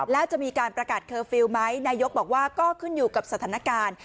แล้วจะมีการประกาศเคอร์ฟิลล์ไหมนายกบอกว่าก็ขึ้นอยู่กับสถานการณ์